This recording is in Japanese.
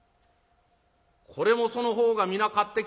「これもその方がみな買ってきたのか？」。